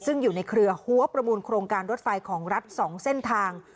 ซึ่งอยู่ในเครือหัวประมูลโครงการรถไฟของรัฐ๒เส้นทาง